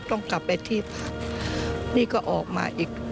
ต้องกลับไปที่พักนี่ก็ออกมาอีก